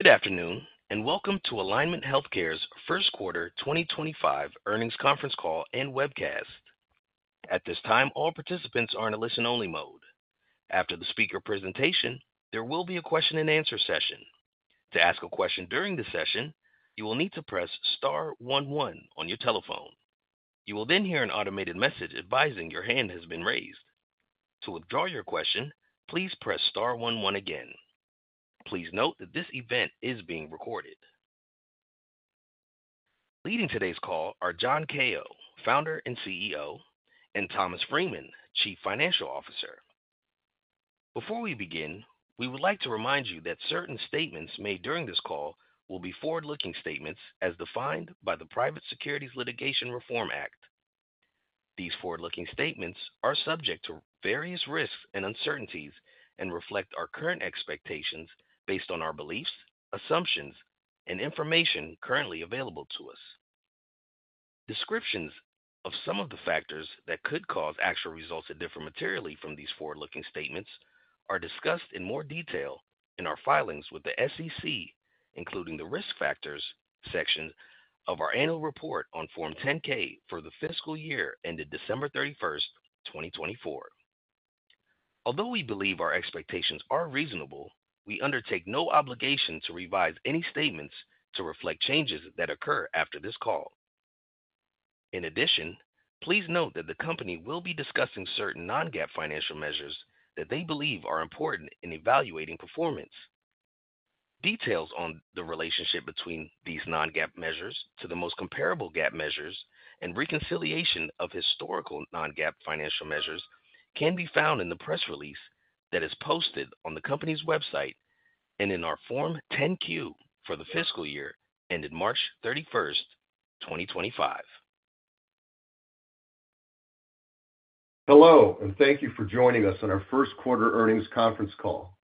Good afternoon, and welcome to Alignment Healthcare's first quarter 2025 earnings conference call and webcast. At this time, all participants are in a listen-only mode. After the speaker presentation, there will be a question-and-answer session. To ask a question during the session, you will need to press Star one one on your telephone. You will then hear an automated message advising your hand has been raised. To withdraw your question, please press Star one one again. Please note that this event is being recorded. Leading today's call are John Kao, Founder and CEO, and Thomas Freeman, Chief Financial Officer. Before we begin, we would like to remind you that certain statements made during this call will be forward-looking statements as defined by the Private Securities Litigation Reform Act. These forward-looking statements are subject to various risks and uncertainties and reflect our current expectations based on our beliefs, assumptions, and information currently available to us. Descriptions of some of the factors that could cause actual results to differ materially from these forward-looking statements are discussed in more detail in our filings with the Securities and Exchange Commission, including the risk factors section of our annual report on Form 10-K for the fiscal year ended December 31, 2024. Although we believe our expectations are reasonable, we undertake no obligation to revise any statements to reflect changes that occur after this call. In addition, please note that the company will be discussing certain non-GAAP financial measures that they believe are important in evaluating performance. Details on the relationship between these non-GAAP measures to the most comparable GAAP measures and reconciliation of historical non-GAAP financial measures can be found in the press release that is posted on the company's website and in our Form 10-Q for the fiscal year ended March 31, 2025. Hello, and thank you for joining us on our first quarter earnings conference call.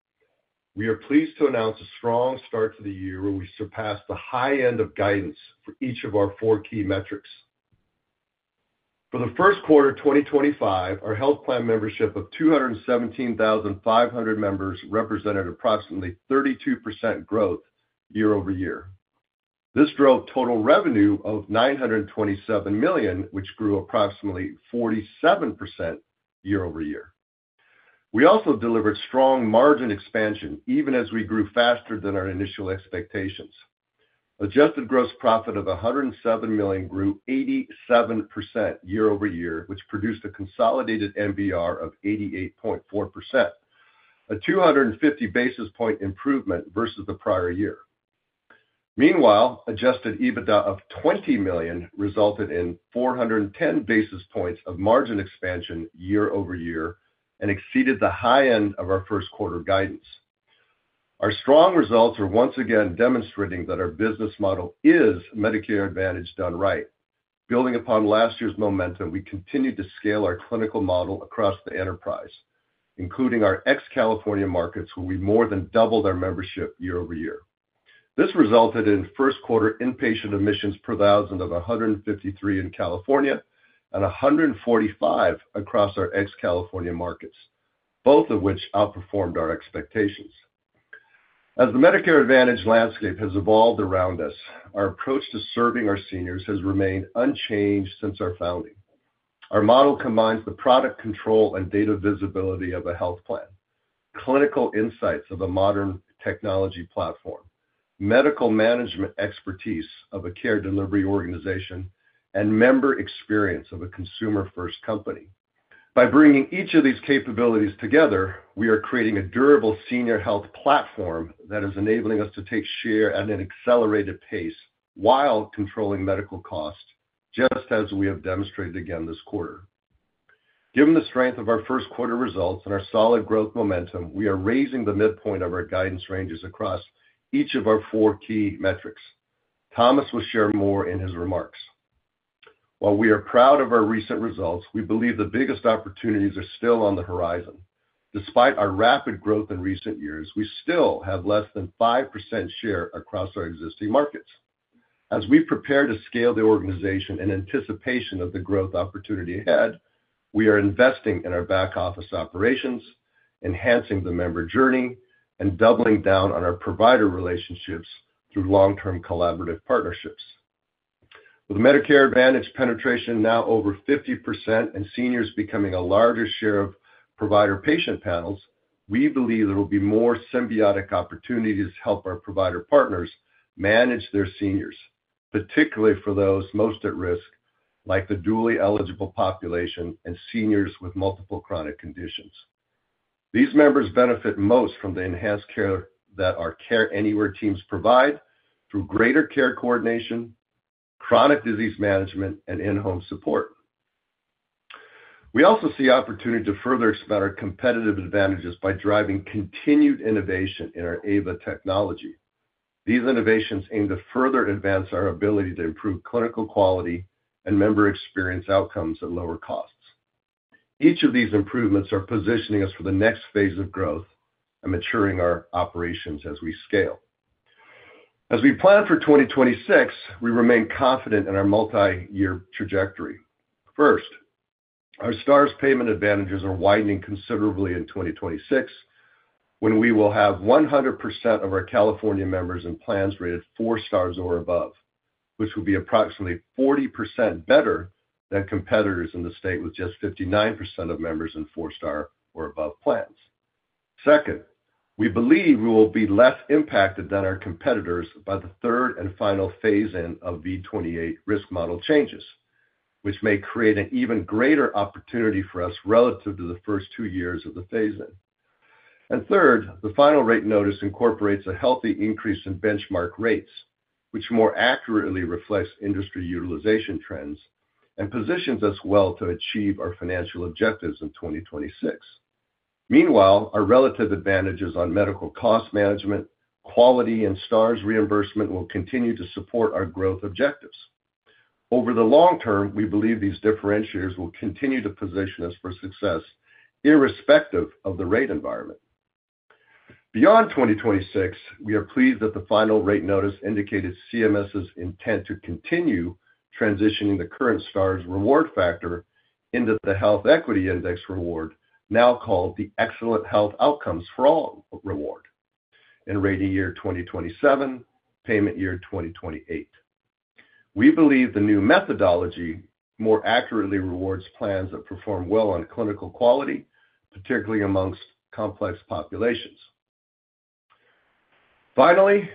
We are pleased to announce a strong start to the year where we surpassed the high end of guidance for each of our four key metrics. For the first quarter of 2025, our health plan membership of 217,500 members represented approximately 32% growth year over year. This drove total revenue of $927 million, which grew approximately 47% year over year. We also delivered strong margin expansion even as we grew faster than our initial expectations. Adjusted gross profit of $107 million grew 87% year over year, which produced a consolidated MBR of 88.4%, a 250 basis point improvement versus the prior year. Meanwhile, adjusted EBITDA of $20 million resulted in 410 basis points of margin expansion year over year and exceeded the high end of our first quarter guidance. Our strong results are once again demonstrating that our business model is Medicare Advantage done right. Building upon last year's momentum, we continued to scale our clinical model across the enterprise, including our ex-California markets, where we more than doubled our membership year over year. This resulted in first quarter inpatient admissions per thousand of 153 in California and 145 across our ex-California markets, both of which outperformed our expectations. As the Medicare Advantage landscape has evolved around us, our approach to serving our seniors has remained unchanged since our founding. Our model combines the product control and data visibility of a health plan, clinical insights of a modern technology platform, medical management expertise of a care delivery organization, and member experience of a consumer-first company. By bringing each of these capabilities together, we are creating a durable senior health platform that is enabling us to take share at an accelerated pace while controlling medical costs, just as we have demonstrated again this quarter. Given the strength of our first quarter results and our solid growth momentum, we are raising the midpoint of our guidance ranges across each of our four key metrics. Thomas will share more in his remarks. While we are proud of our recent results, we believe the biggest opportunities are still on the horizon. Despite our rapid growth in recent years, we still have less than 5% share across our existing markets. As we prepare to scale the organization in anticipation of the growth opportunity ahead, we are investing in our back office operations, enhancing the member journey, and doubling down on our provider relationships through long-term collaborative partnerships. With Medicare Advantage penetration now over 50% and seniors becoming a larger share of provider-patient panels, we believe there will be more symbiotic opportunities to help our provider partners manage their seniors, particularly for those most at risk, like the dually eligible population and seniors with multiple chronic conditions. These members benefit most from the enhanced care that our Care Anywhere teams provide through greater care coordination, chronic disease management, and in-home support. We also see opportunity to further expand our competitive advantages by driving continued innovation in our AVA technology. These innovations aim to further advance our ability to improve clinical quality and member experience outcomes at lower costs. Each of these improvements are positioning us for the next phase of growth and maturing our operations as we scale. As we plan for 2026, we remain confident in our multi-year trajectory. First, our STARS payment advantages are widening considerably in 2026, when we will have 100% of our California members in plans rated four stars or above, which will be approximately 40% better than competitors in the state with just 59% of members in four-star or above plans. Second, we believe we will be less impacted than our competitors by the third and final phase-in of V28 risk model changes, which may create an even greater opportunity for us relative to the first two years of the phase-in. Third, the final rate notice incorporates a healthy increase in benchmark rates, which more accurately reflects industry utilization trends and positions us well to achieve our financial objectives in 2026. Meanwhile, our relative advantages on medical cost management, quality, and STARS reimbursement will continue to support our growth objectives. Over the long term, we believe these differentiators will continue to position us for success irrespective of the rate environment. Beyond 2026, we are pleased that the final rate notice indicated CMS's intent to continue transitioning the current STARS reward factor into the Health Equity Index reward, now called the Excellent Health Outcomes for All reward, and rating year 2027, payment year 2028. We believe the new methodology more accurately rewards plans that perform well on clinical quality, particularly amongst complex populations. Finally,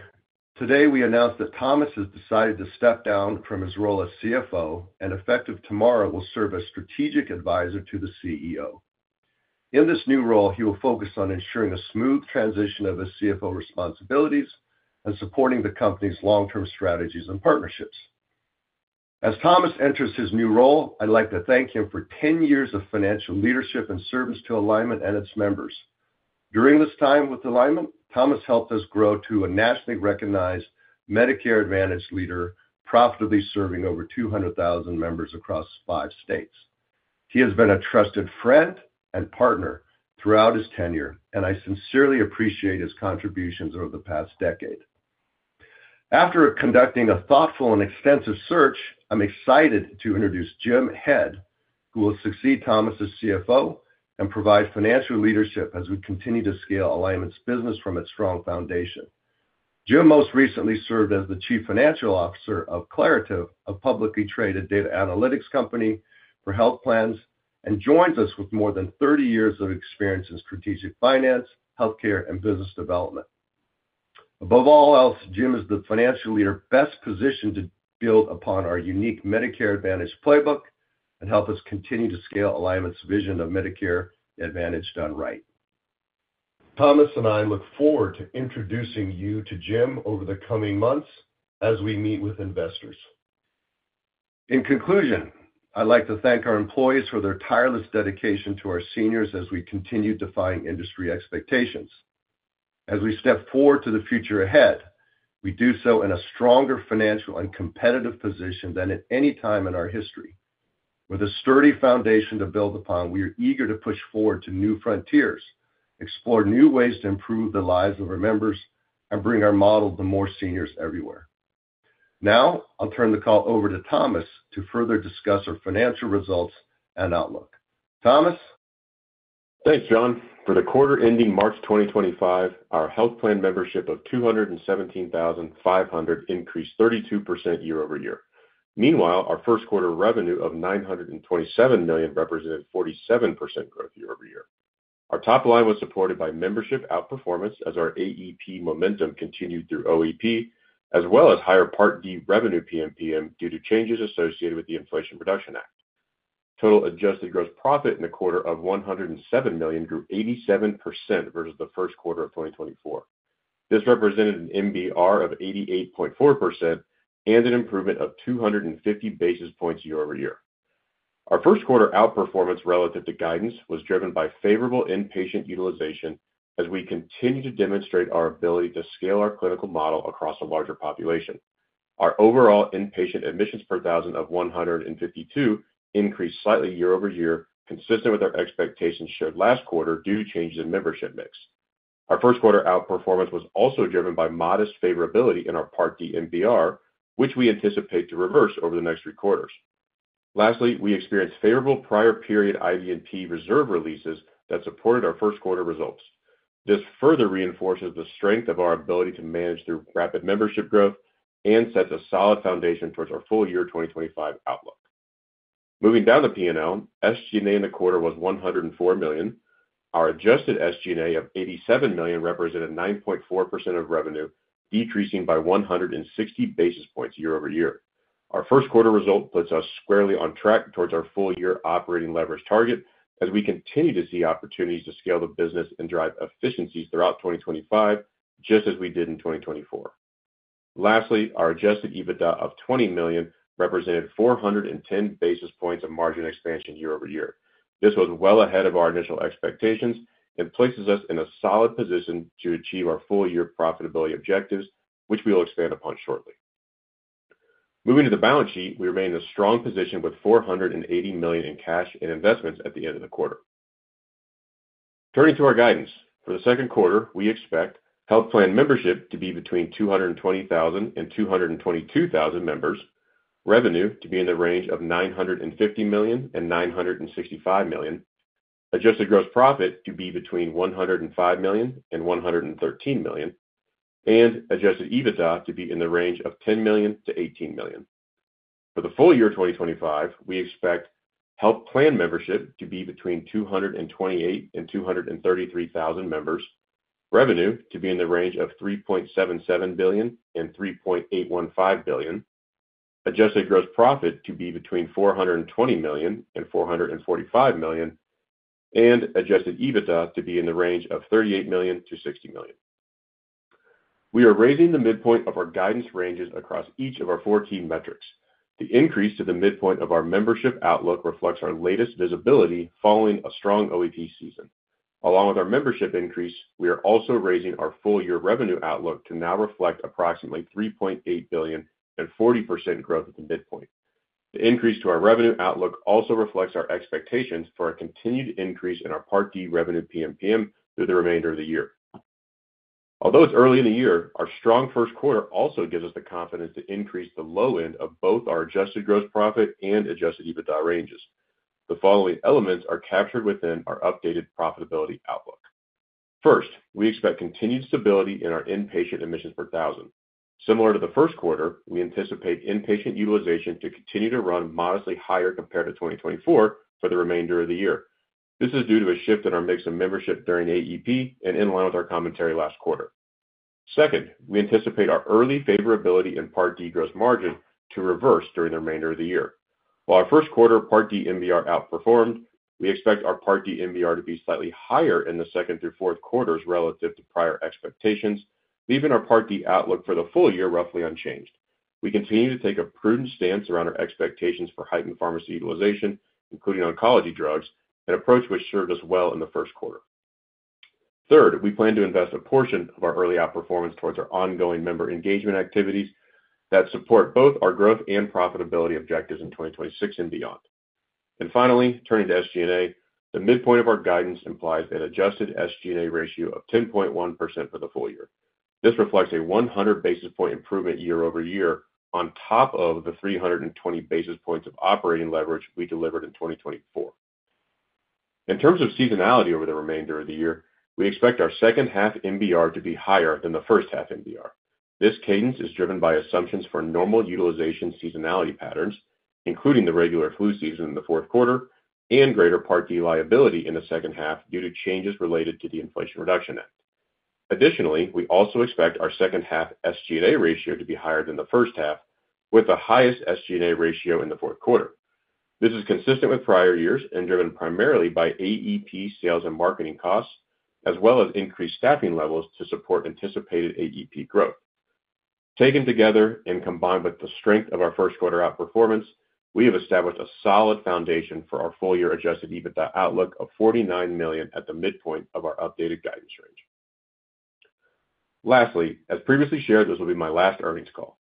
today we announced that Thomas has decided to step down from his role as CFO, and effective tomorrow will serve as strategic advisor to the CEO. In this new role, he will focus on ensuring a smooth transition of his CFO responsibilities and supporting the company's long-term strategies and partnerships. As Thomas enters his new role, I'd like to thank him for 10 years of financial leadership and service to Alignment and its members. During this time with Alignment, Thomas helped us grow to a nationally recognized Medicare Advantage leader, profitably serving over 200,000 members across five states. He has been a trusted friend and partner throughout his tenure, and I sincerely appreciate his contributions over the past decade. After conducting a thoughtful and extensive search, I'm excited to introduce Jim Head, who will succeed Thomas as CFO and provide financial leadership as we continue to scale Alignment's business from its strong foundation. Jim most recently served as the Chief Financial Officer of Claritev, a publicly traded data analytics company for health plans, and joins us with more than 30 years of experience in strategic finance, healthcare, and business development. Above all else, Jim is the financial leader best positioned to build upon our unique Medicare Advantage playbook and help us continue to scale Alignment's vision of Medicare Advantage done right. Thomas and I look forward to introducing you to Jim over the coming months as we meet with investors. In conclusion, I'd like to thank our employees for their tireless dedication to our seniors as we continue to define industry expectations. As we step forward to the future ahead, we do so in a stronger financial and competitive position than at any time in our history. With a sturdy foundation to build upon, we are eager to push forward to new frontiers, explore new ways to improve the lives of our members, and bring our model to more seniors everywhere. Now, I'll turn the call over to Thomas to further discuss our financial results and outlook. Thomas. Thanks, John. For the quarter ending March 2025, our health plan membership of 217,500 increased 32% year over year. Meanwhile, our first quarter revenue of $927 million represented 47% growth year over year. Our top line was supported by membership outperformance as our AEP momentum continued through OEP, as well as higher Part D revenue PMPM due to changes associated with the Inflation Reduction Act. Total adjusted gross profit in the quarter of $107 million grew 87% versus the first quarter of 2024. This represented an MBR of 88.4% and an improvement of 250 basis points year over year. Our first quarter outperformance relative to guidance was driven by favorable inpatient utilization as we continue to demonstrate our ability to scale our clinical model across a larger population. Our overall inpatient admissions per thousand of 152 increased slightly year over year, consistent with our expectations shared last quarter due to changes in membership mix. Our first quarter outperformance was also driven by modest favorability in our Part D MBR, which we anticipate to reverse over the next three quarters. Lastly, we experienced favorable prior-period IBNP reserve releases that supported our first quarter results. This further reinforces the strength of our ability to manage through rapid membership growth and sets a solid foundation towards our full year 2025 outlook. Moving down the P&L, SG&A in the quarter was $104 million. Our adjusted SG&A of $87 million represented 9.4% of revenue, decreasing by 160 basis points year over year. Our first quarter result puts us squarely on track towards our full-year operating leverage target as we continue to see opportunities to scale the business and drive efficiencies throughout 2025, just as we did in 2024. Lastly, our adjusted EBITDA of $20 million represented 410 basis points of margin expansion year over year. This was well ahead of our initial expectations and places us in a solid position to achieve our full-year profitability objectives, which we will expand upon shortly. Moving to the balance sheet, we remain in a strong position with $480 million in cash and investments at the end of the quarter. Turning to our guidance, for the second quarter, we expect health plan membership to be between 220,000 and 222,000 members, revenue to be in the range of $950 million-$965 million, adjusted gross profit to be between $105 million and $113 million, and adjusted EBITDA to be in the range of $10 million-$18 million. For the full year 2025, we expect health plan membership to be between 228,000 and 233,000 members, revenue to be in the range of $3.77 billion-$3.815 billion, adjusted gross profit to be between $420 million and $445 million, and adjusted EBITDA to be in the range of $38 million-$60 million. We are raising the midpoint of our guidance ranges across each of our four key metrics. The increase to the midpoint of our membership outlook reflects our latest visibility following a strong OEP season. Along with our membership increase, we are also raising our full-year revenue outlook to now reflect approximately $3.8 billion and 40% growth at the midpoint. The increase to our revenue outlook also reflects our expectations for a continued increase in our Part D revenue PMPM through the remainder of the year. Although it's early in the year, our strong first quarter also gives us the confidence to increase the low end of both our adjusted gross profit and adjusted EBITDA ranges. The following elements are captured within our updated profitability outlook. First, we expect continued stability in our inpatient admissions per thousand. Similar to the first quarter, we anticipate inpatient utilization to continue to run modestly higher compared to 2024 for the remainder of the year. This is due to a shift in our mix of membership during AEP and in line with our commentary last quarter. Second, we anticipate our early favorability in Part D gross margin to reverse during the remainder of the year. While our first quarter Part D MBR outperformed, we expect our Part D MBR to be slightly higher in the second through fourth quarters relative to prior expectations, leaving our Part D outlook for the full year roughly unchanged. We continue to take a prudent stance around our expectations for heightened pharmacy utilization, including oncology drugs, an approach which served us well in the first quarter. Third, we plan to invest a portion of our early outperformance towards our ongoing member engagement activities that support both our growth and profitability objectives in 2026 and beyond. Finally, turning to SG&A, the midpoint of our guidance implies an adjusted SG&A ratio of 10.1% for the full year. This reflects a 100 basis point improvement year over year on top of the 320 basis points of operating leverage we delivered in 2024. In terms of seasonality over the remainder of the year, we expect our second half MBR to be higher than the first half MBR. This cadence is driven by assumptions for normal utilization seasonality patterns, including the regular flu season in the fourth quarter and greater Part D liability in the second half due to changes related to the Inflation Reduction Act. Additionally, we also expect our second half SG&A ratio to be higher than the first half, with the highest SG&A ratio in the fourth quarter. This is consistent with prior years and driven primarily by AEP sales and marketing costs, as well as increased staffing levels to support anticipated AEP growth. Taken together and combined with the strength of our first quarter outperformance, we have established a solid foundation for our full-year adjusted EBITDA outlook of $49 million at the midpoint of our updated guidance range. Lastly, as previously shared, this will be my last earnings call.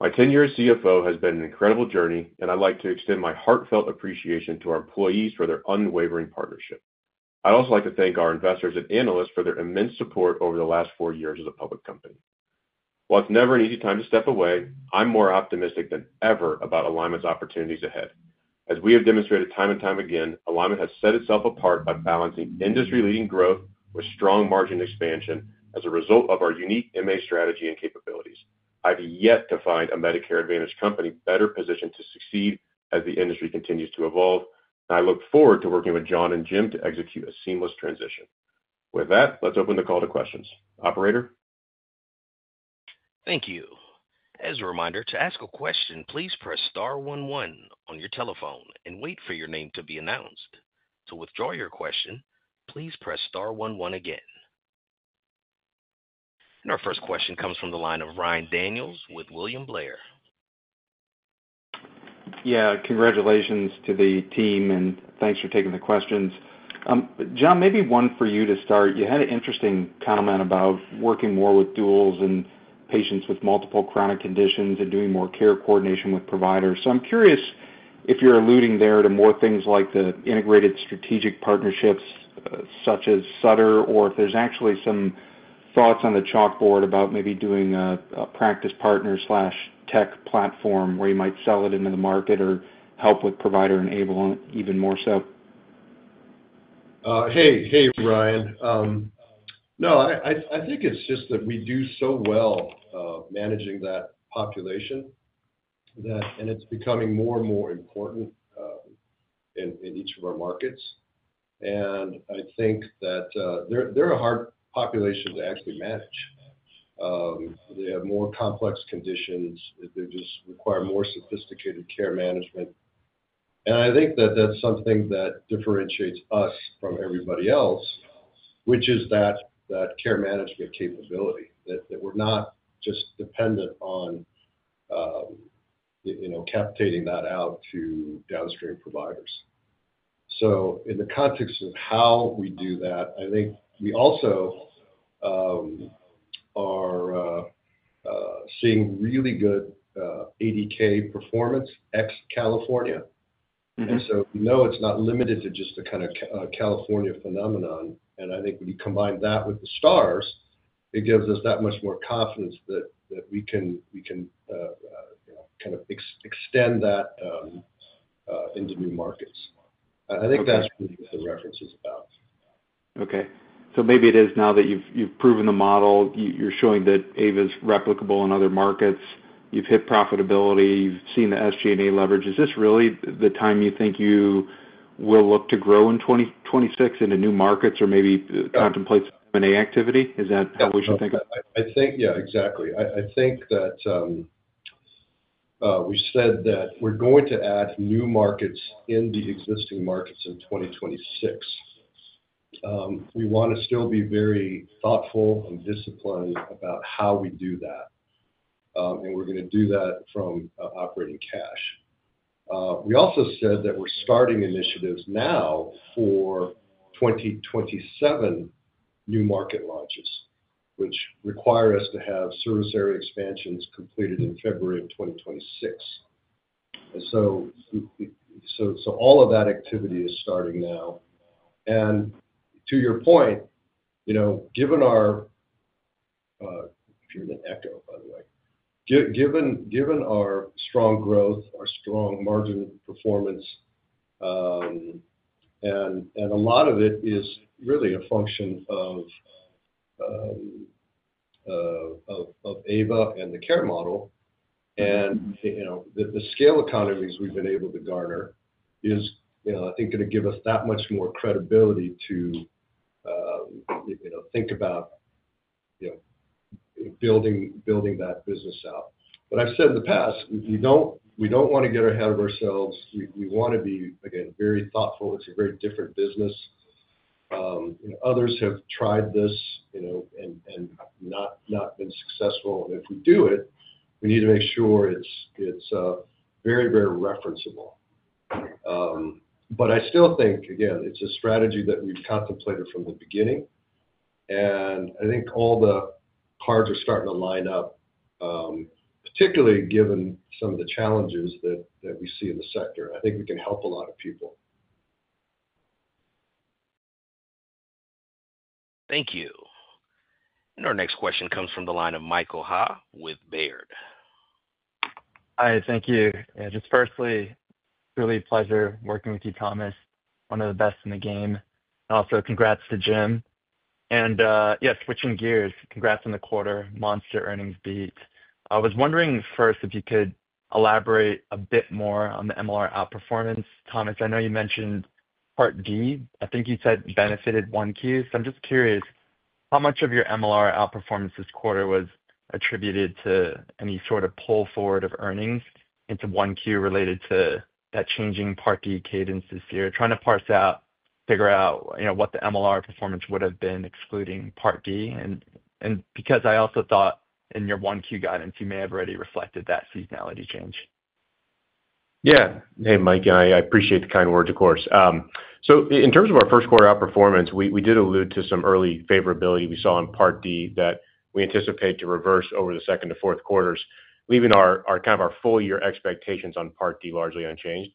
My 10-year CFO has been an incredible journey, and I'd like to extend my heartfelt appreciation to our employees for their unwavering partnership. I'd also like to thank our investors and analysts for their immense support over the last four years as a public company. While it's never an easy time to step away, I'm more optimistic than ever about Alignment's opportunities ahead. As we have demonstrated time and time again, Alignment has set itself apart by balancing industry-leading growth with strong margin expansion as a result of our unique MA strategy and capabilities. I've yet to find a Medicare Advantage company better positioned to succeed as the industry continues to evolve, and I look forward to working with John and Jim to execute a seamless transition. With that, let's open the call to questions. Operator. Thank you. As a reminder, to ask a question, please press star 11 on your telephone and wait for your name to be announced. To withdraw your question, please press star 11 again. Our first question comes from the line of Ryan Daniels with William Blair. Yeah, congratulations to the team, and thanks for taking the questions. John, maybe one for you to start. You had an interesting comment about working more with duals and patients with multiple chronic conditions and doing more care coordination with providers. I am curious if you're alluding there to more things like the integrated strategic partnerships such as Sutter, or if there's actually some thoughts on the chalkboard about maybe doing a practice partner/tech platform where you might sell it into the market or help with provider enablement even more so. Hey, hey, Ryan. No, I think it's just that we do so well managing that population, and it's becoming more and more important in each of our markets. I think that they're a hard population to actually manage. They have more complex conditions. They just require more sophisticated care management. I think that that's something that differentiates us from everybody else, which is that care management capability, that we're not just dependent on captating that out to downstream providers. In the context of how we do that, I think we also are seeing really good ADK performance ex-California. We know it's not limited to just the kind of California phenomenon. I think when you combine that with the stars, it gives us that much more confidence that we can kind of extend that into new markets. I think that's what the reference is about. Okay. Maybe it is now that you've proven the model, you're showing that AVA is replicable in other markets, you've hit profitability, you've seen the SG&A leverage. Is this really the time you think you will look to grow in 2026 into new markets or maybe contemplate some M&A activity? Is that how we should think about it? Yeah, exactly. I think that we said that we're going to add new markets in the existing markets in 2026. We want to still be very thoughtful and disciplined about how we do that. We are going to do that from operating cash. We also said that we're starting initiatives now for 2027 new market launches, which require us to have service area expansions completed in February of 2026. All of that activity is starting now. To your point, given our—if you're an ECHO, by the way—given our strong growth, our strong margin performance, and a lot of it is really a function of AVA and the care model, and the scale economies we've been able to garner, I think, is going to give us that much more credibility to think about building that business out. I've said in the past, we don't want to get ahead of ourselves. We want to be, again, very thoughtful. It's a very different business. Others have tried this and not been successful. If we do it, we need to make sure it's very, very referenceable. I still think, again, it's a strategy that we've contemplated from the beginning. I think all the cards are starting to line up, particularly given some of the challenges that we see in the sector. I think we can help a lot of people. Thank you. Our next question comes from the line of Michael Ha with Baird. Hi, thank you. Yeah, just firstly, really a pleasure working with you, Thomas. One of the best in the game. Also, congrats to Jim. Yeah, switching gears, congrats on the quarter. Monster earnings beat. I was wondering first if you could elaborate a bit more on the MLR outperformance. Thomas, I know you mentioned Part D. I think you said benefited 1Q. I'm just curious how much of your MLR outperformance this quarter was attributed to any sort of pull forward of earnings into 1Q related to that changing Part D cadence this year. Trying to parse out, figure out what the MLR performance would have been excluding Part D. I also thought in your 1Q guidance, you may have already reflected that seasonality change. Ds Yeah. Hey, Mike, I appreciate the kind words, of course. In terms of our first quarter outperformance, we did allude to some early favorability we saw in Part D that we anticipate to reverse over the second to fourth quarters, leaving our kind of our full year expectations on Part D largely unchanged.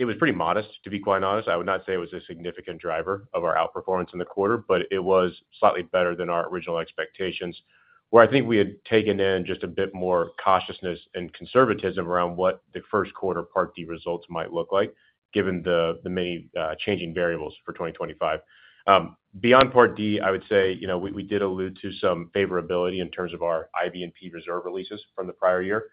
It was pretty modest, to be quite honest. I would not say it was a significant driver of our outperformance in the quarter, but it was slightly better than our original expectations, where I think we had taken in just a bit more cautiousness and conservatism around what the first quarter Part D results might look like, given the many changing variables for 2025. Beyond Part D, I would say we did allude to some favorability in terms of our IBNP reserve releases from the prior year.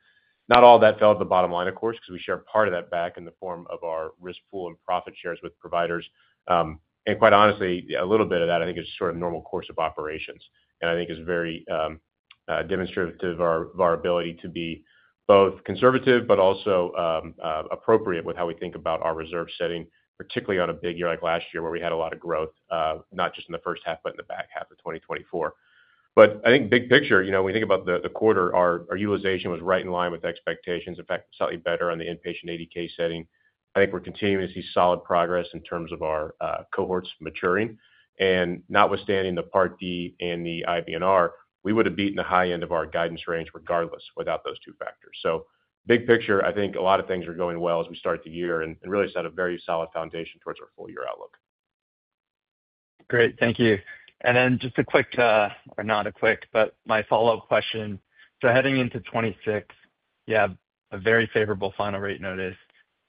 Not all of that fell to the bottom line, of course, because we share part of that back in the form of our risk pool and profit shares with providers. Quite honestly, a little bit of that, I think, is sort of normal course of operations. I think it's very demonstrative of our ability to be both conservative, but also appropriate with how we think about our reserve setting, particularly on a big year like last year, where we had a lot of growth, not just in the first half, but in the back half of 2024. I think big picture, when we think about the quarter, our utilization was right in line with expectations. In fact, slightly better on the inpatient ADK setting. I think we're continuing to see solid progress in terms of our cohorts maturing. Notwithstanding the Part D and the IBNR, we would have beaten the high end of our guidance range regardless without those two factors. Big picture, I think a lot of things are going well as we start the year and really set a very solid foundation towards our full year outlook. Great. Thank you. Just a quick, or not a quick, but my follow-up question. Heading into 2026, you have a very favorable final rate notice.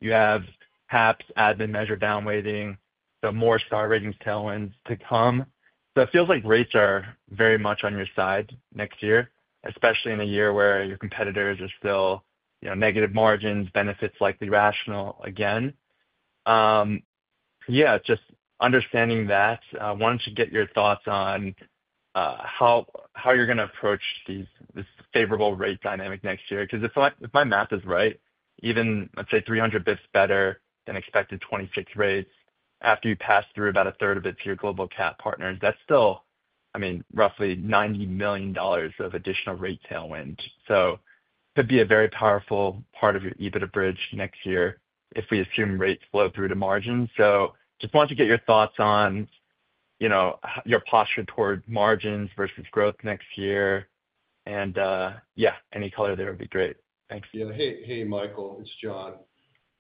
You have HAPS admin measure down weighting, so more star ratings tailwinds to come. It feels like rates are very much on your side next year, especially in a year where your competitors are still negative margins, benefits likely rational again. Yeah, just understanding that, I wanted to get your thoughts on how you're going to approach this favorable rate dynamic next year. Because if my math is right, even, let's say, 300 basis points better than expected 2026 rates, after you pass through about a third of it to your global cap partners, that's still, I mean, roughly $90 million of additional rate tailwind. It could be a very powerful part of your EBITDA bridge next year if we assume rates flow through to margins. I just wanted to get your thoughts on your posture toward margins versus growth next year. Yeah, any color there would be great. Thanks. Yeah. Hey, Michael. It's John.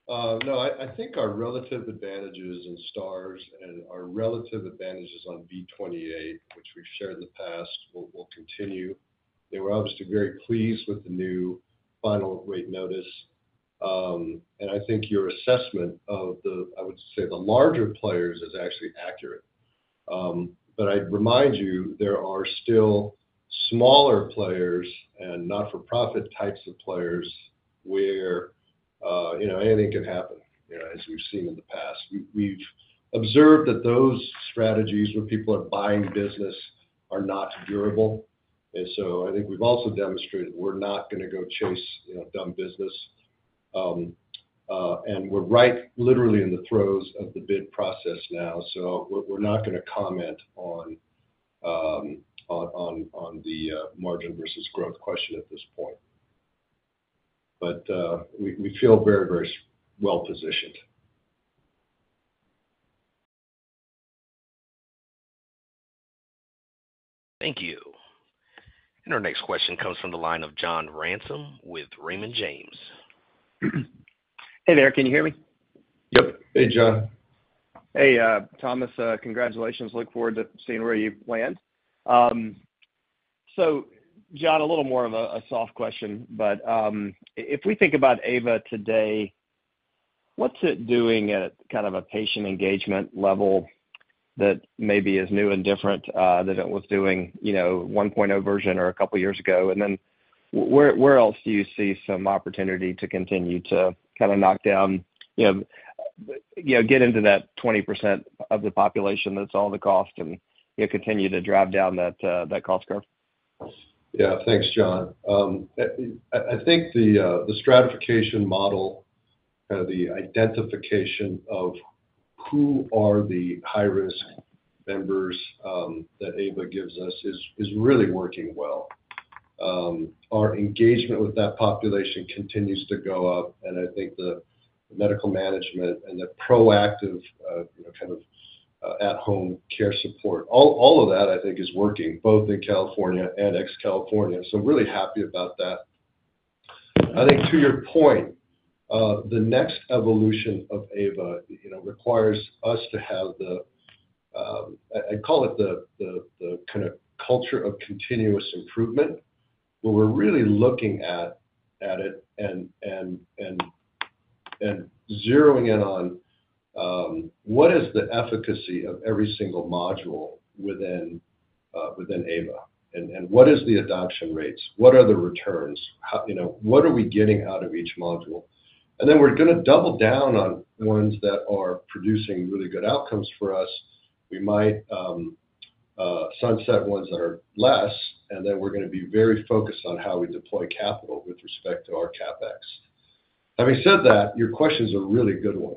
No, I think our relative advantages in STARS and our relative advantages on V28, which we've shared in the past, will continue. They were obviously very pleased with the new final rate notice. I think your assessment of the, I would say, the larger players is actually accurate. I would remind you, there are still smaller players and not-for-profit types of players where anything can happen, as we've seen in the past. We've observed that those strategies where people are buying business are not durable. I think we've also demonstrated we're not going to go chase dumb business. We're right literally in the throes of the bid process now. We're not going to comment on the margin versus growth question at this point. We feel very, very well positioned. Thank you. Our next question comes from the line of John Ransom with Raymond James. Hey, there. Can you hear me? Yep. Hey, John. Hey, Thomas. Congratulations. Look forward to seeing where you land. John, a little more of a soft question, but if we think about AVA today, what's it doing at kind of a patient engagement level that maybe is new and different than it was doing 1.0 version or a couple of years ago? Where else do you see some opportunity to continue to kind of knock down, get into that 20% of the population that's all the cost and continue to drive down that cost curve? Yeah. Thanks, John. I think the stratification model, kind of the identification of who are the high-risk members that AVA gives us, is really working well. Our engagement with that population continues to go up. I think the medical management and the proactive kind of at-home care support, all of that, I think, is working both in California and ex-California. Really happy about that. I think to your point, the next evolution of AVA requires us to have the, I call it the kind of culture of continuous improvement, where we're really looking at it and zeroing in on what is the efficacy of every single module within AVA, and what is the adoption rates, what are the returns, what are we getting out of each module. We are going to double down on the ones that are producing really good outcomes for us. We might sunset ones that are less, and then we're going to be very focused on how we deploy capital with respect to our CapEx. Having said that, your question is a really good one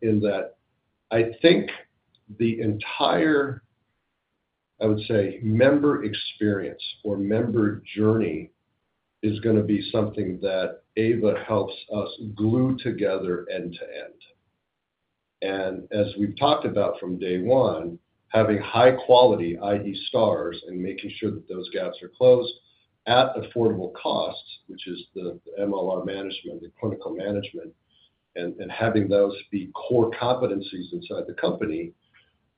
in that I think the entire, I would say, member experience or member journey is going to be something that AVA helps us glue together end to end. As we've talked about from day one, having high quality, i.e., STARS and making sure that those gaps are closed at affordable costs, which is the MLR management, the clinical management, and having those be core competencies inside the company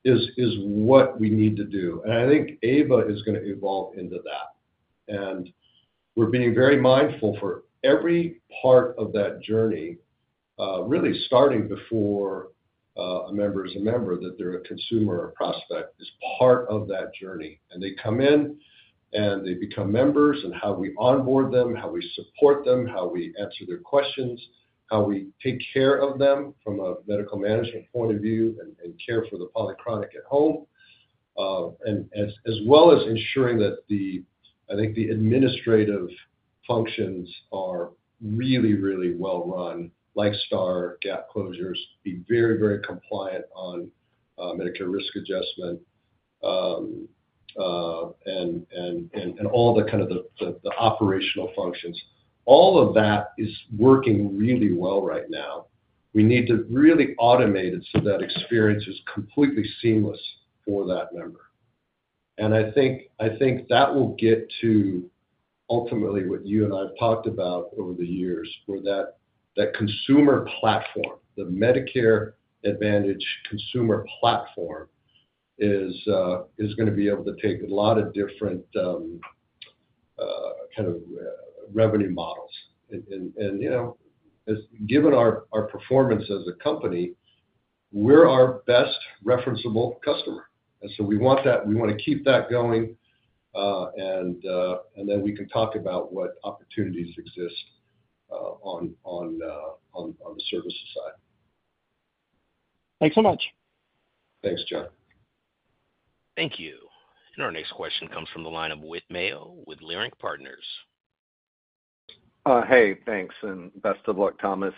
is what we need to do. I think AVA is going to evolve into that. We are being very mindful for every part of that journey, really starting before a member is a member, that they're a consumer or a prospect is part of that journey. They come in and they become members, and how we onboard them, how we support them, how we answer their questions, how we take care of them from a medical management point of view and care for the polychronic at home, as well as ensuring that, I think, the administrative functions are really, really well run, like star gap closures, be very, very compliant on Medicare risk adjustment, and all the kind of the operational functions. All of that is working really well right now. We need to really automate it so that experience is completely seamless for that member. I think that will get to ultimately what you and I have talked about over the years, where that consumer platform, the Medicare Advantage consumer platform, is going to be able to take a lot of different kind of revenue models. Given our performance as a company, we're our best referenceable customer. We want to keep that going, and then we can talk about what opportunities exist on the services side. Thanks so much. Thanks, John. Thank you. Our next question comes from the line of Whit Mayo with Leerink Partners. Hey, thanks. Best of luck, Thomas.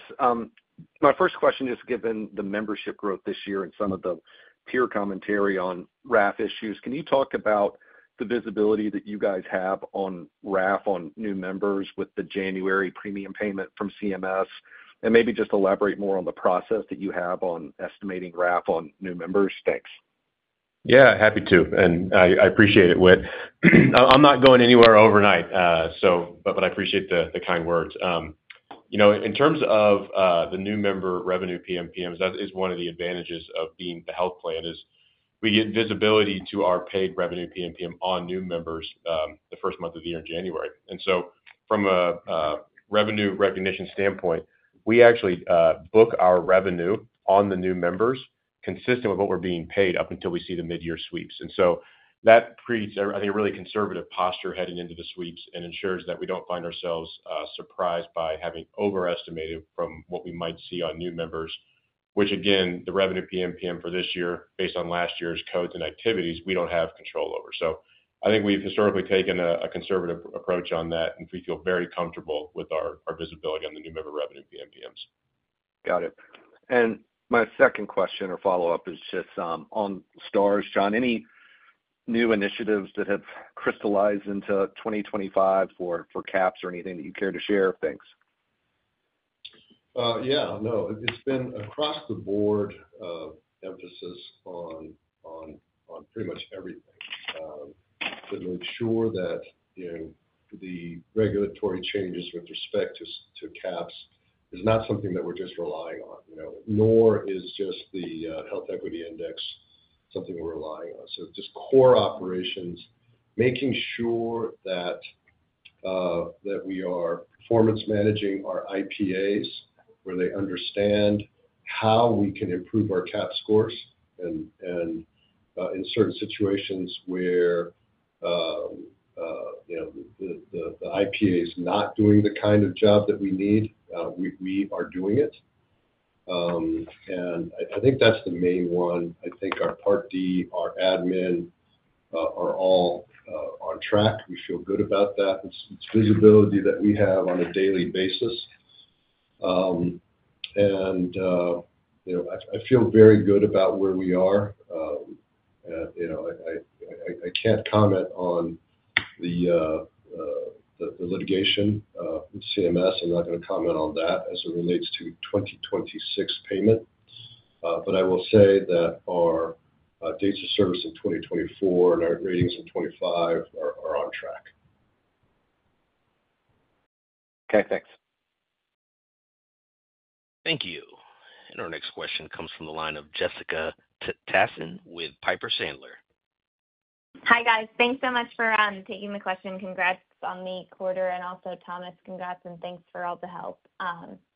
My first question is, given the membership growth this year and some of the peer commentary on RAF issues, can you talk about the visibility that you guys have on RAF on new members with the January premium payment from CMS? Maybe just elaborate more on the process that you have on estimating RAF on new members. Thanks. Yeah, happy to. I appreciate it, Whit. I'm not going anywhere overnight, but I appreciate the kind words. In terms of the new member revenue PMPMs, that is one of the advantages of being the health plan, is we get visibility to our paid revenue PMPM on new members the first month of the year in January. From a revenue recognition standpoint, we actually book our revenue on the new members consistent with what we're being paid up until we see the mid-year sweeps. That creates, I think, a really conservative posture heading into the sweeps and ensures that we don't find ourselves surprised by having overestimated from what we might see on new members, which, again, the revenue PMPM for this year, based on last year's codes and activities, we don't have control over. I think we've historically taken a conservative approach on that, and we feel very comfortable with our visibility on the new member revenue PMPMs. Got it. My second question or follow-up is just on STARS, John. Any new initiatives that have crystallized into 2025 for CAHPS or anything that you care to share? Thanks. Yeah. No, it's been across the board emphasis on pretty much everything to make sure that the regulatory changes with respect to CAHPS is not something that we're just relying on, nor is just the health equity index something we're relying on. Just core operations, making sure that we are performance managing our IPAs where they understand how we can improve our CAHPS scores. In certain situations where the IPA is not doing the kind of job that we need, we are doing it. I think that's the main one. I think our Part D, our admin are all on track. We feel good about that. It's visibility that we have on a daily basis. I feel very good about where we are. I can't comment on the litigation with CMS. I'm not going to comment on that as it relates to 2026 payment. I will say that our dates of service in 2024 and our ratings in 2025 are on track. Okay. Thanks. Thank you. Our next question comes from the line of Jessica Tassan with Piper Sandler. Hi, guys. Thanks so much for taking the question. Congrats on the quarter. Also, Thomas, congrats and thanks for all the help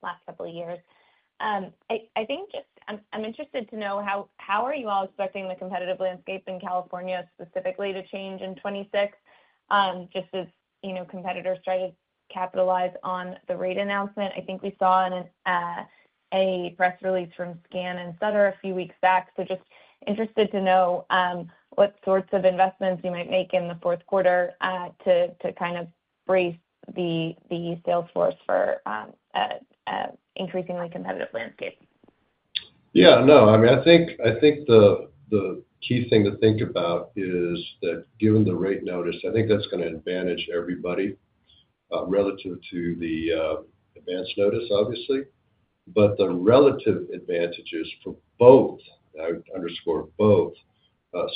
last couple of years. I think just I'm interested to know how are you all expecting the competitive landscape in California specifically to change in 2026, just as competitors try to capitalize on the rate announcement. I think we saw a press release from SCAN and Sutter a few weeks back. Just interested to know what sorts of investments you might make in the fourth quarter to kind of brace the salesforce for an increasingly competitive landscape. Yeah. No. I mean, I think the key thing to think about is that given the rate notice, I think that's going to advantage everybody relative to the advance notice, obviously. The relative advantages for both, I underscore both,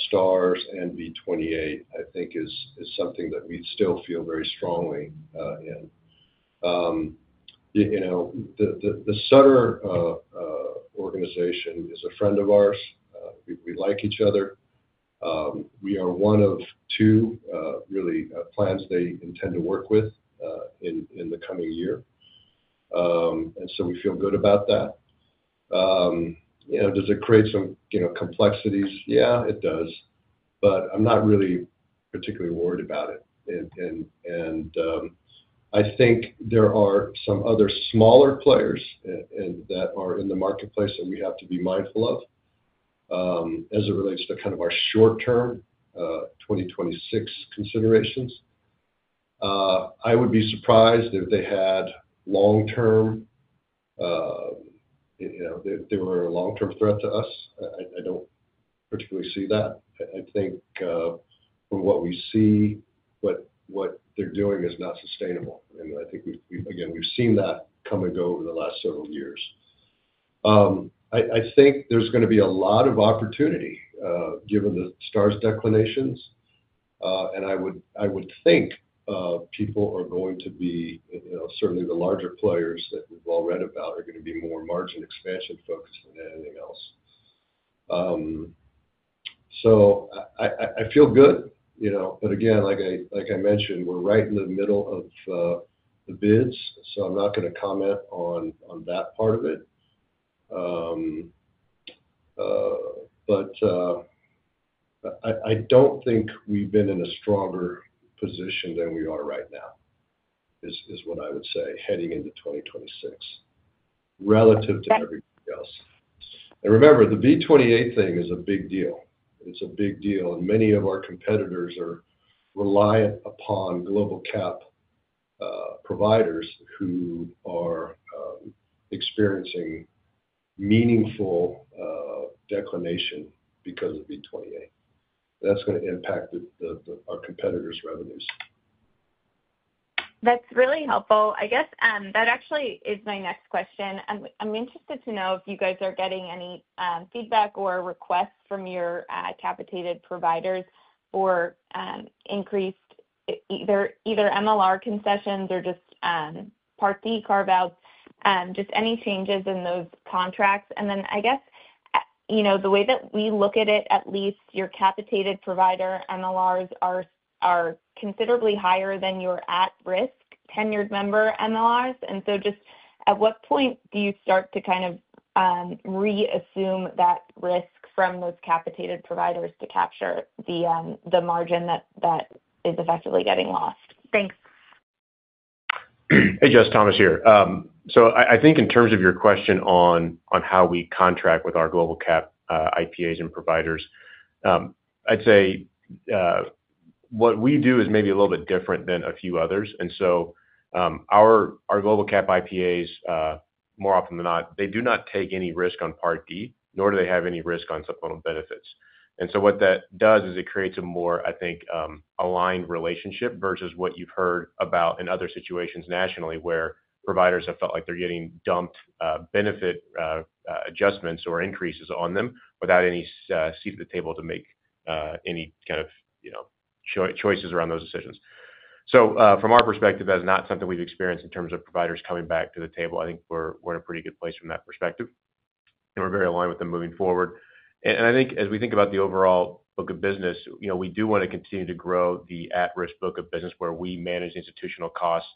STARS and V28, I think is something that we still feel very strongly in. The Sutter organization is a friend of ours. We like each other. We are one of two really plans they intend to work with in the coming year. We feel good about that. Does it create some complexities? Yeah, it does. I'm not really particularly worried about it. I think there are some other smaller players that are in the marketplace that we have to be mindful of as it relates to kind of our short-term 2026 considerations. I would be surprised if they had long-term, if they were a long-term threat to us. I do not particularly see that. I think from what we see, what they are doing is not sustainable. I think, again, we have seen that come and go over the last several years. I think there is going to be a lot of opportunity given the stars declinations. I would think people are going to be, certainly the larger players that we have all read about, are going to be more margin expansion focused than anything else. I feel good. Like I mentioned, we are right in the middle of the bids. I am not going to comment on that part of it. I do not think we have been in a stronger position than we are right now, is what I would say heading into 2026 relative to everybody else. Remember, the V28 thing is a big deal. It's a big deal. Many of our competitors are reliant upon global cap providers who are experiencing meaningful declination because of V28. That's going to impact our competitors' revenues. That's really helpful. I guess that actually is my next question. I'm interested to know if you guys are getting any feedback or requests from your capitated providers for increased either MLR concessions or just Part D carve-outs, just any changes in those contracts. I guess the way that we look at it, at least your capitated provider MLRs are considerably higher than your at-risk tenured member MLRs. At what point do you start to kind of reassume that risk from those capitated providers to capture the margin that is effectively getting lost? Thanks. Hey, Jess, Thomas here. I think in terms of your question on how we contract with our global cap IPAs and providers, I'd say what we do is maybe a little bit different than a few others. Our global cap IPAs, more often than not, do not take any risk on Part D, nor do they have any risk on supplemental benefits. What that does is it creates a more, I think, aligned relationship versus what you've heard about in other situations nationally where providers have felt like they're getting dumped benefit adjustments or increases on them without any seat at the table to make any kind of choices around those decisions. From our perspective, that is not something we've experienced in terms of providers coming back to the table. I think we're in a pretty good place from that perspective. We are very aligned with them moving forward. I think as we think about the overall book of business, we do want to continue to grow the at-risk book of business where we manage institutional costs.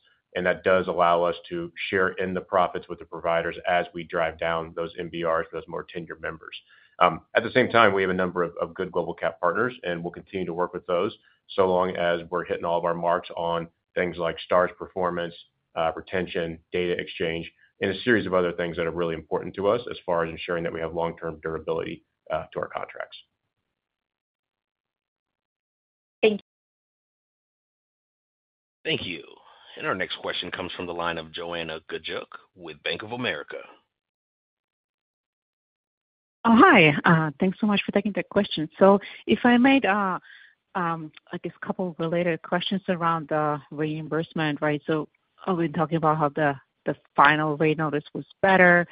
That does allow us to share in the profits with the providers as we drive down those MBRs for those more tenured members. At the same time, we have a number of good global cap partners, and we will continue to work with those so long as we are hitting all of our marks on things like STARS performance, retention, data exchange, and a series of other things that are really important to us as far as ensuring that we have long-term durability to our contracts. Thank you. Thank you. Our next question comes from the line of Joanna Gajuk with Bank of America. Hi. Thanks so much for taking the question. If I may, I guess, a couple of related questions around the reimbursement, right? We have been talking about how the final rate notice was better.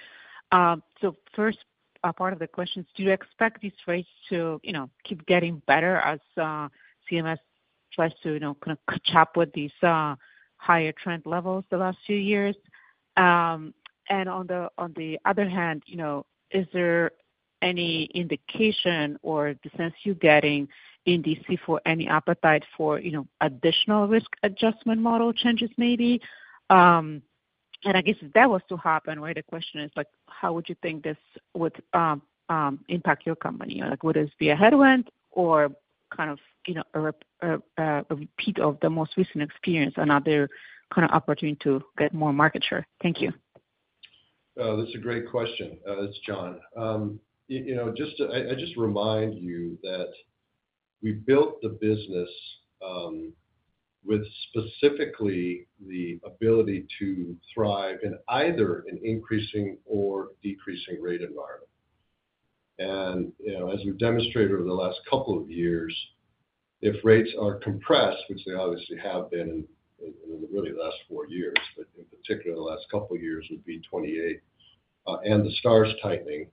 First part of the question is, do you expect these rates to keep getting better as CMS tries to kind of catch up with these higher trend levels the last few years? On the other hand, is there any indication or the sense you're getting in D.C. for any appetite for additional risk adjustment model changes maybe? I guess if that was to happen, right, the question is, how would you think this would impact your company? Would this be a headwind or kind of a repeat of the most recent experience and other kind of opportunity to get more market share? Thank you. That's a great question. That's John. I just remind you that we built the business with specifically the ability to thrive in either an increasing or decreasing rate environment. As we've demonstrated over the last couple of years, if rates are compressed, which they obviously have been in really the last four years, but in particular, the last couple of years would be 2028, and the stars tightening,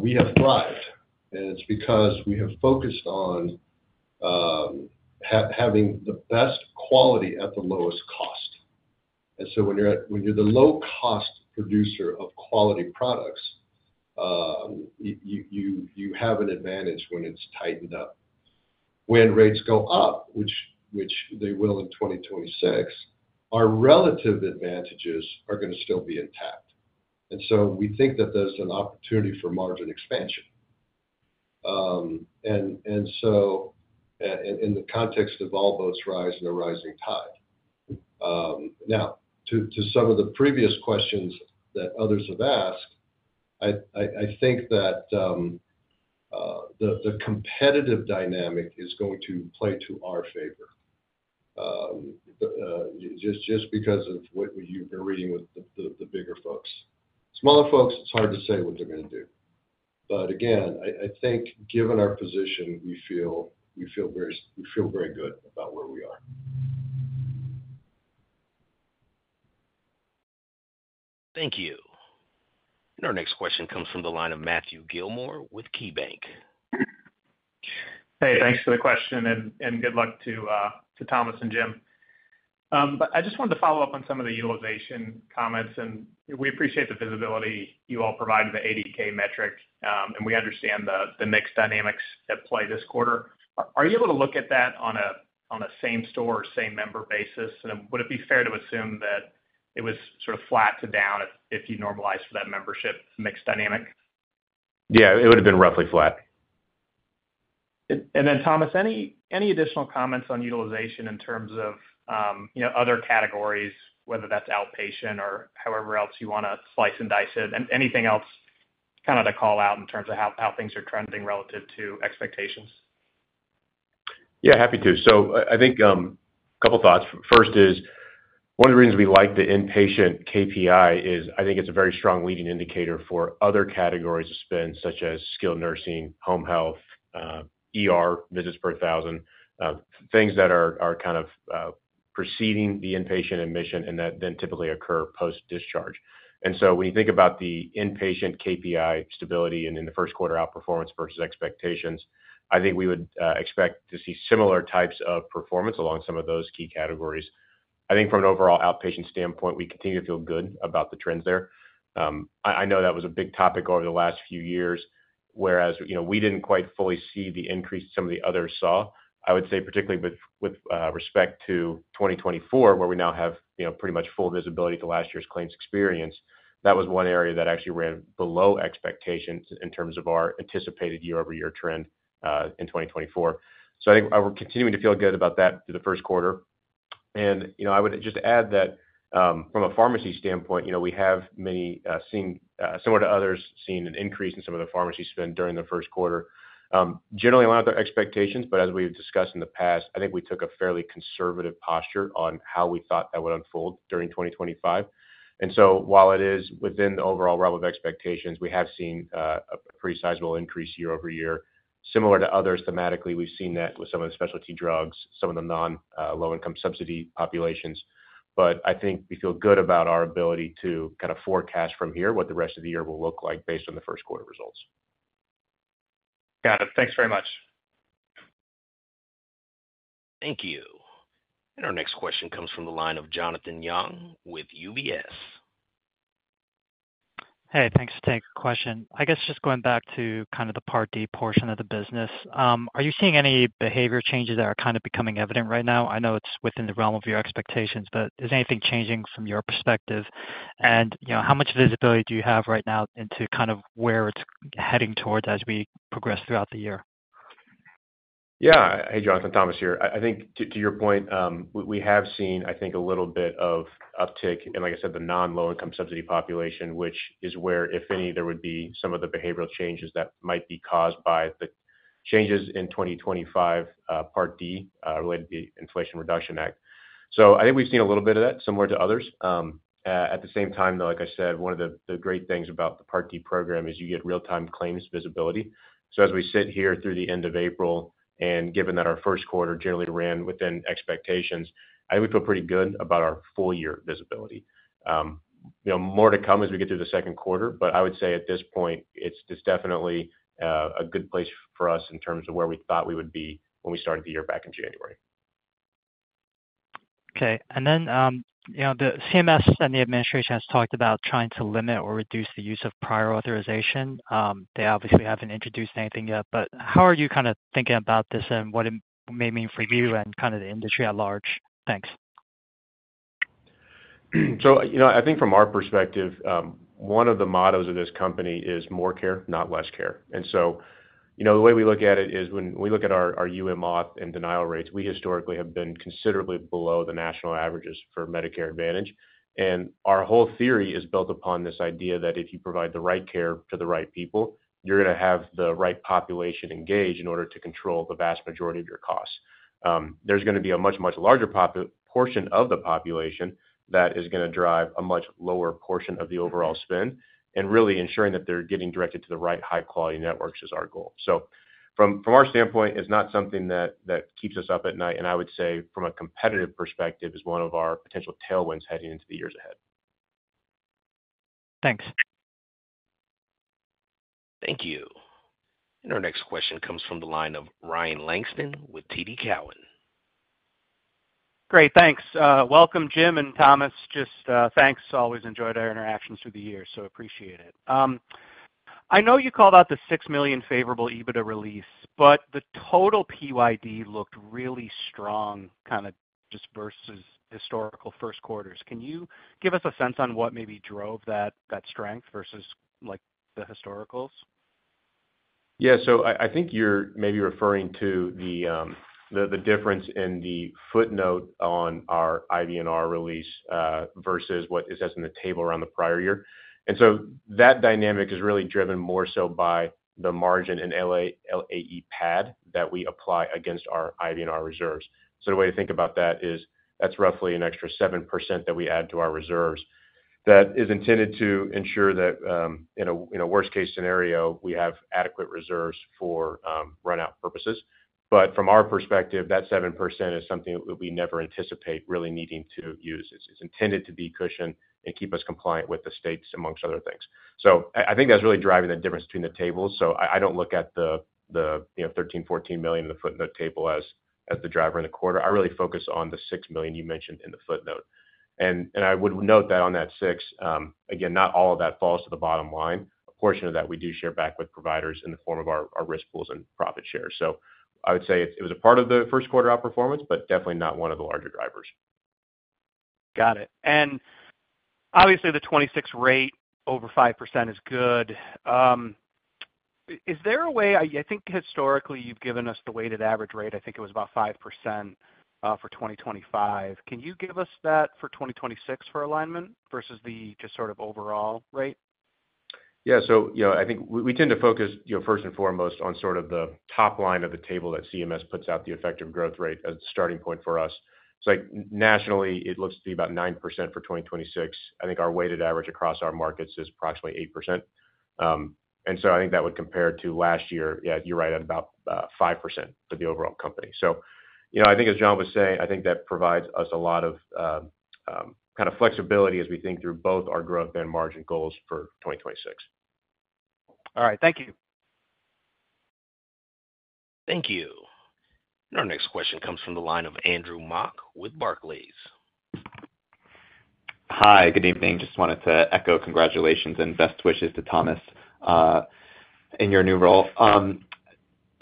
we have thrived. It's because we have focused on having the best quality at the lowest cost. When you're the low-cost producer of quality products, you have an advantage when it's tightened up. When rates go up, which they will in 2026, our relative advantages are going to still be intact. We think that there's an opportunity for margin expansion in the context of all boats rise and a rising tide. Now, to some of the previous questions that others have asked, I think that the competitive dynamic is going to play to our favor just because of what you've been reading with the bigger folks. Smaller folks, it's hard to say what they're going to do. Again, I think given our position, we feel very good about where we are. Thank you. Our next question comes from the line of Matthew Gillmor with KeyBanc. Hey, thanks for the question. Good luck to Thomas and Jim. I just wanted to follow up on some of the utilization comments. We appreciate the visibility you all provide to the 80K metric. We understand the mixed dynamics at play this quarter. Are you able to look at that on a same-store, same-member basis? Would it be fair to assume that it was sort of flat to down if you normalized for that membership mixed dynamic? Yeah, it would have been roughly flat. Thomas, any additional comments on utilization in terms of other categories, whether that's outpatient or however else you want to slice and dice it? Anything else kind of to call out in terms of how things are trending relative to expectations? Yeah, happy to. I think a couple of thoughts. First is one of the reasons we like the inpatient KPI is I think it's a very strong leading indicator for other categories of spend such as skilled nursing, home health, visits per 1,000, things that are kind of preceding the inpatient admission and that then typically occur post-discharge. When you think about the inpatient KPI stability and in the first quarter outperformance versus expectations, I think we would expect to see similar types of performance along some of those key categories. I think from an overall outpatient standpoint, we continue to feel good about the trends there. I know that was a big topic over the last few years, whereas we didn't quite fully see the increase some of the others saw. I would say particularly with respect to 2024, where we now have pretty much full visibility to last year's claims experience, that was one area that actually ran below expectations in terms of our anticipated year-over-year trend in 2024. I think we're continuing to feel good about that through the first quarter. I would just add that from a pharmacy standpoint, we have seen, similar to others, an increase in some of the pharmacy spend during the first quarter. Generally aligned with our expectations, but as we've discussed in the past, I think we took a fairly conservative posture on how we thought that would unfold during 2025. While it is within the overall realm of expectations, we have seen a pretty sizable increase year-over-year. Similar to others, thematically, we've seen that with some of the specialty drugs, some of the non-low-income subsidy populations. I think we feel good about our ability to kind of forecast from here what the rest of the year will look like based on the first quarter results. Got it. Thanks very much. Thank you. Our next question comes from the line of Jonathan Yong with UBS. Hey, thanks for taking the question. I guess just going back to kind of the Part D portion of the business, are you seeing any behavior changes that are kind of becoming evident right now? I know it's within the realm of your expectations, but is anything changing from your perspective? How much visibility do you have right now into kind of where it's heading towards as we progress throughout the year? Yeah. Hey, Jonathan, Thomas here. I think to your point, we have seen, I think, a little bit of uptick in, like I said, the non-low-income subsidy population, which is where, if any, there would be some of the behavioral changes that might be caused by the changes in 2025 Part D related to the Inflation Reduction Act. I think we've seen a little bit of that similar to others. At the same time, though, like I said, one of the great things about the Part D program is you get real-time claims visibility. As we sit here through the end of April, and given that our first quarter generally ran within expectations, I think we feel pretty good about our full-year visibility. More to come as we get through the second quarter, but I would say at this point, it's definitely a good place for us in terms of where we thought we would be when we started the year back in January. Okay. The CMS and the administration has talked about trying to limit or reduce the use of prior authorization. They obviously haven't introduced anything yet. How are you kind of thinking about this and what it may mean for you and kind of the industry at large? Thanks. I think from our perspective, one of the mottos of this company is more care, not less care. The way we look at it is when we look at our auth and denial rates, we historically have been considerably below the national averages for Medicare Advantage. Our whole theory is built upon this idea that if you provide the right care to the right people, you're going to have the right population engage in order to control the vast majority of your costs. There's going to be a much, much larger portion of the population that is going to drive a much lower portion of the overall spend. Really ensuring that they're getting directed to the right high-quality networks is our goal. From our standpoint, it's not something that keeps us up at night. I would say from a competitive perspective, it's one of our potential tailwinds heading into the years ahead. Thanks. Thank you. Our next question comes from the line of Ryan Langston with TD Cowen. Great. Thanks. Welcome, Jim and Thomas. Just thanks. Always enjoyed our interactions through the year. Appreciate it. I know you called out the $6 million favorable EBITDA release, but the total PYD looked really strong kind of just versus historical first quarters. Can you give us a sense on what maybe drove that strength versus the historicals? Yeah. I think you're maybe referring to the difference in the footnote on our IBNR release versus what is as in the table around the prior year. That dynamic is really driven more so by the margin and LAE pad that we apply against our IBNR reserves. The way to think about that is that's roughly an extra 7% that we add to our reserves that is intended to ensure that in a worst-case scenario, we have adequate reserves for runout purposes. From our perspective, that 7% is something that we never anticipate really needing to use. It's intended to be cushioned and keep us compliant with the states amongst other things. I think that's really driving the difference between the tables. I don't look at the $13 million-$14 million in the footnote table as the driver in the quarter. I really focus on the $6 million you mentioned in the footnote. I would note that on that $6 million, again, not all of that falls to the bottom line. A portion of that we do share back with providers in the form of our risk pools and profit shares. I would say it was a part of the first quarter outperformance, but definitely not one of the larger drivers. Got it. Obviously, the 2026 rate over 5% is good. Is there a way, I think historically you've given us the weighted average rate. I think it was about 5% for 2025. Can you give us that for 2026 for Alignment versus the just sort of overall rate? Yeah. I think we tend to focus first and foremost on sort of the top line of the table that CMS puts out, the effective growth rate as a starting point for us. Nationally, it looks to be about 9% for 2026. I think our weighted average across our markets is approximately 8%. That would compare to last year, yeah, you're right, at about 5% for the overall company. I think as John was saying, that provides us a lot of kind of flexibility as we think through both our growth and margin goals for 2026. All right. Thank you. Thank you. Our next question comes from the line of Andrew Mok with Barclays. Hi. Good evening. Just wanted to echo congratulations and best wishes to Thomas in your new role.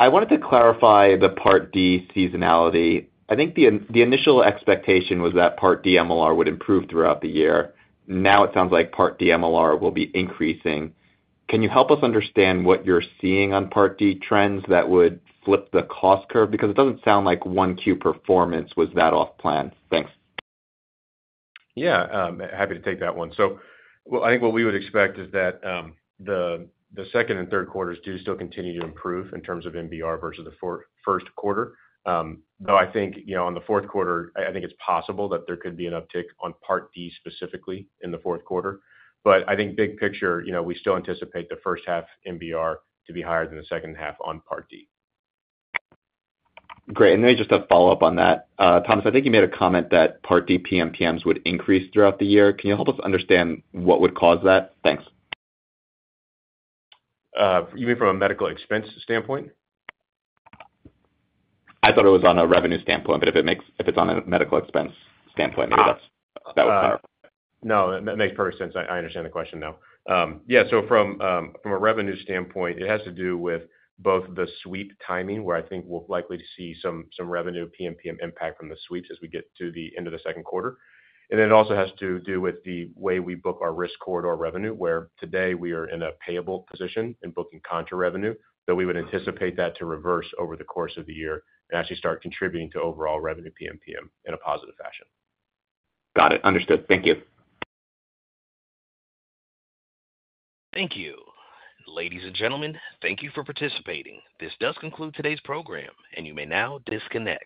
I wanted to clarify the Part D seasonality. I think the initial expectation was that Part D MLR would improve throughout the year. Now it sounds like Part D MLR will be increasing. Can you help us understand what you're seeing on Part D trends that would flip the cost curve? Because it doesn't sound like 1Q performance was that off plan. Yeah. Happy to take that one. I think what we would expect is that the second and third quarters do still continue to improve in terms of MBR versus the first quarter. I think on the fourth quarter, it's possible that there could be an uptick on Part D specifically in the fourth quarter. I think big picture, we still anticipate the first half MBR to be higher than the second half on Part D. Great. Maybe just to follow up on that, Thomas, I think you made a comment that Part D PMPMs would increase throughout the year. Can you help us understand what would cause that? Thanks. You mean from a medical expense standpoint? I thought it was on a revenue standpoint, but if it's on a medical expense standpoint, maybe that would clarify. No, that makes perfect sense. I understand the question now. Yeah. From a revenue standpoint, it has to do with both the sweep timing, where I think we'll likely see some revenue PMPM impact from the sweeps as we get to the end of the second quarter. It also has to do with the way we book our risk corridor revenue, where today we are in a payable position and booking contra revenue. Though we would anticipate that to reverse over the course of the year and actually start contributing to overall revenue PMPM in a positive fashion. Got it. Understood. Thank you. Thank you. Ladies and gentlemen, thank you for participating. This does conclude today's program, and you may now disconnect.